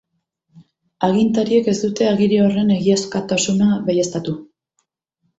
Agintariek ez dute agiri horren egiazkotasuna baieztatu.